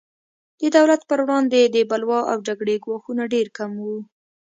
د دولت پر وړاندې د بلوا او جګړې ګواښونه ډېر کم وو.